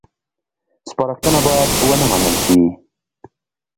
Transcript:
سپارښتنه باید ونه منل شي